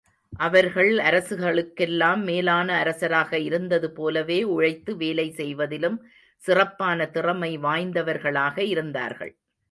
அவர்கள் அரசர்களுக்கெல்லாம் மேலான அரசராக இருந்தது போலவே, உழைத்து வேலை செய்வதிலும் சிறப்பான திறமை வாய்ந்தவர்களாக இருந்தார்கள்.